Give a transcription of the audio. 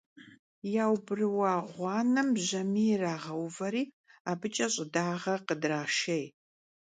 Yaubrıua ğuanem bjamiy yirağeuveri abıç'e ş'ıdağer khıdraşşêy.